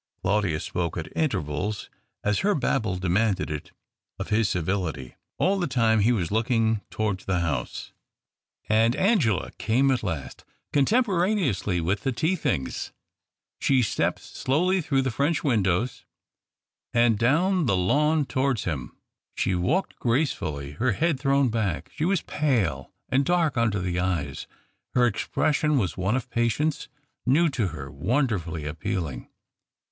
Claudius spoke at intervals, as her babble demanded it of his civility. All the time he was looking towards the house. And Angela came at last— contempora neously with the tea things. She stepped slowly through the French windows and down the lawn towards them. She walked grace fully, her head thrown back. She was pale, and dark under the eyes ; her expression was one of patience — new to her, wonderfully appealing.